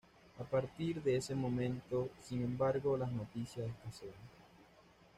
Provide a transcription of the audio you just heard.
A partir de este momento, sin embargo, las noticias escasean.